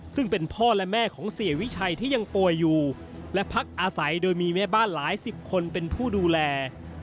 ซึ่งเป็นพ่อและแม่ของเสียวิชัยที่ยังป่วยอยู่และพักอาศัยโดยมีแม่บ้านหลายสิบคนเป็นผู้ดูแล